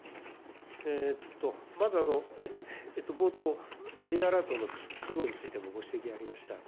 まず、冒頭、Ｊアラートの不都合についてもご指摘がありました。